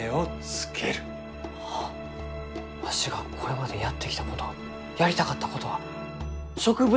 あわしがこれまでやってきたことやりたかったことは植物